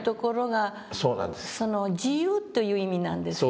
「自由」という意味なんですよね。